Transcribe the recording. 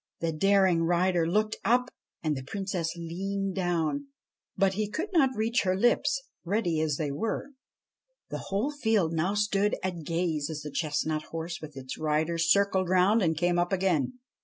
The daring rider looked up and the Princess leaned down, but he could not reach her lips, ready as they were. The whole field now stood at gaze as the chestnut horse with its rider circled round and came up again.